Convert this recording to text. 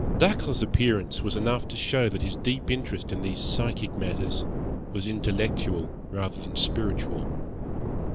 Dacre's appearance was enough to show that his deep interest in these psychic matters was intellectual rather than spiritual.